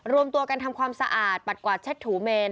รวมตัวกันทำความสะอาดปัดกวาดเช็ดถูเมน